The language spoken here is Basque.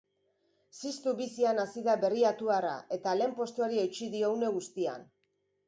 Ziztu bizian hasi da berriatuarra eta lehen postuari eutsi dio une guztian.